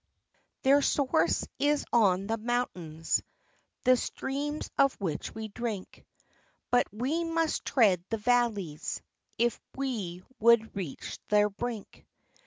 HpHEIR source is on the mountains, The streams of which we drink ; But we must tread the valleys, If we would reach their brink.